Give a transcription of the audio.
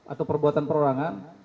atau perbuatan perorangan